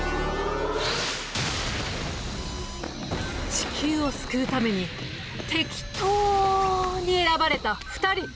地球を救うためにてきとうに選ばれた２人。